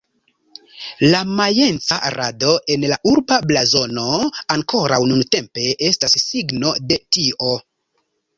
La majenca rado en la urba blazono ankoraŭ nuntempe estas signo de tio.